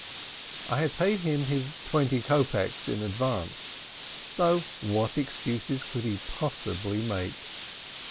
I had paid him his twenty kopeks in advance, 108 SPEKTOR so what excuses could he possibly make?